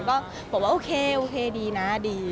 ก็บอกว่าโอเคดีนะดี